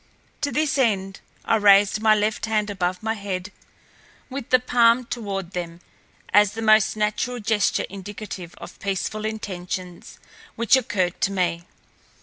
To this end I raised my left hand above my head with the palm toward them as the most natural gesture indicative of peaceful intentions which occurred to me.